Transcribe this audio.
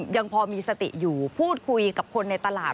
ยังพอมีสติอยู่พูดคุยกับคนในตลาด